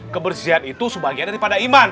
kebersihan itu sebagian daripada iman